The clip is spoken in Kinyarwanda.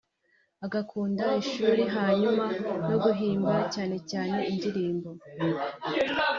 agakunda ishuri hanyuma no guhimba cyane cyane indirimbo